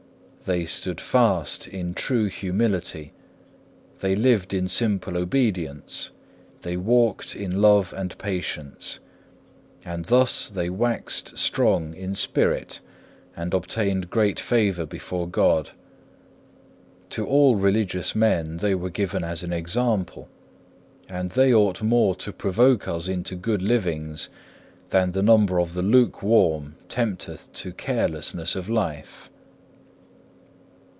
They stood fast in true humility, they lived in simple obedience, they walked in love and patience; and thus they waxed strong in spirit, and obtained great favour before God. To all religious men they were given as an example, and they ought more to provoke us unto good livings than the number of the lukewarm tempteth to carelessness of life.